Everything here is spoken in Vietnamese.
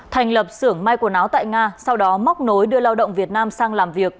thành lập xưởng may quần áo tại nga sau đó móc nối đưa lao động việt nam sang làm việc